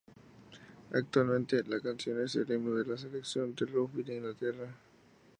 Actualmente, la canción es el himno de la Selección de rugby de Inglaterra.